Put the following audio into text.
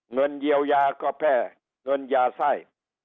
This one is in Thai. เงินเยียวยาก็แพร่เงินยาไส้